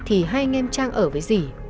thì hai anh em trang ở với dì